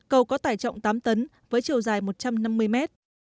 cầu có tải trọng tám tấn với chiều dài một trăm năm mươi mét